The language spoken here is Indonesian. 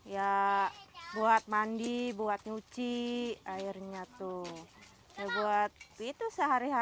ya buat mandi buat nyuci airnya tuh